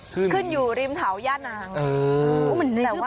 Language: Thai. ขึ้นอยู่ริมแถวย่านาง